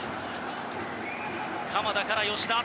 鎌田から吉田。